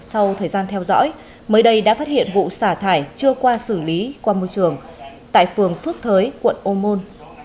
sau thời gian theo dõi mới đây đã phát hiện vụ xả thải chưa qua xử lý qua môi trường tại phường phước thới quận ô môn